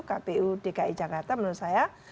kpu dki jakarta menurut saya